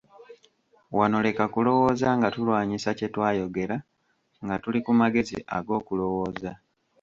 Wano leka kulowooza nga tulwanyisa kye twayogera nga tuli ku magezi ag'okulowooza.